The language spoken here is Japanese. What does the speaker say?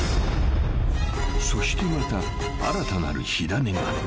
［そしてまた新たなる火種が］